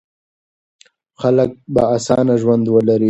خلک به اسانه ژوند ولري.